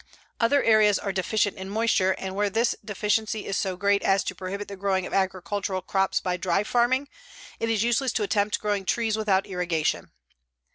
Other areas are deficient in moisture, and where this deficiency is so great as to prohibit the growing of agricultural crops by dry farming it is useless to attempt growing trees without irrigation.